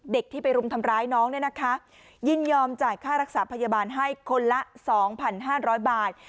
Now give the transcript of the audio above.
เด็กที่ไปรุมทำร้ายน้องเนี่ยนะคะยินยอมจ่ายค่ารักษาพยาบาลให้คนละ๒๕๐๐บาท